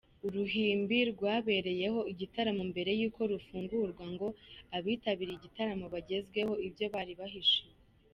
Uruhimbi rwabereyeho igitaramo mbere y'uko rufungurwa ngo abitabiriye igitaramo bagezweho ibyo bari bahishiwe.